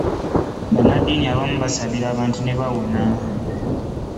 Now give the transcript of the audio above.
Banadini abamu basabira abantu nebawona.